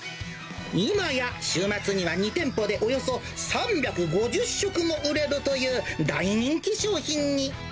今や週末には２店舗でおよそ３５０食も売れるという大人気商品に。